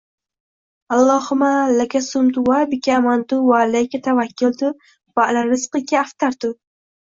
Allohumma laka sumtu va bika amantu va alayka tavakkaltu va ala rizqika aftartu